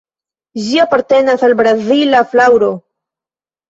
Ĝi apartenas al Brazila flaŭro.